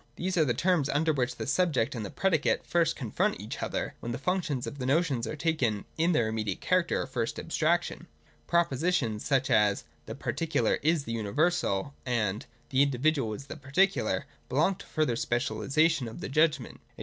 These are the terms under which the subject and the predi cate first confront each other, when the functions of the notion are taken in their immediate character or first abstraction. [Propositions such as, ' The particular is the universal,' and 'The individual is the particular,' belong to the further specialisation of the judgment.] It 298 THE DOCTRINE OF THE NOTION.